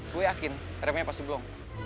gue yakin remnya pasti blong